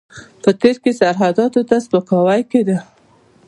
په تېر کې سرحداتو ته سپکاوی کېده.